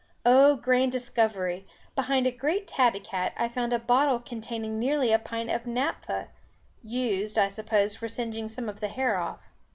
Oh! grand discovery behind a great tabby cat, I found a bottle containing nearly a pint of naphtha, used, I suppose, for singeing some of the hair off.